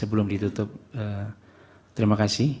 sebelum ditutup terima kasih